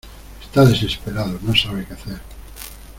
Está desesperado, no sabe qué hacer.